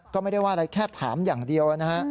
ก็ไม่ได้ว่าอะไรแค่ถามอย่างเดียวนะฮะ